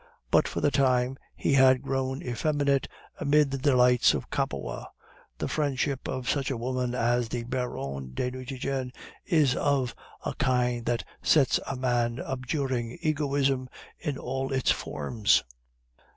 But for the time he had grown effeminate amid the delights of Capua. The friendship of such a woman as the Baronne de Nucingen is of a kind that sets a man abjuring egoism in all its forms.